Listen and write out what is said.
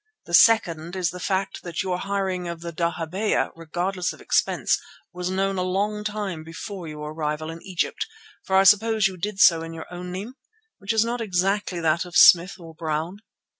The second is the fact that your hiring of the dahabeeyah regardless of expense was known a long time before your arrival in Egypt, for I suppose you did so in your own name, which is not exactly that of Smith or Brown.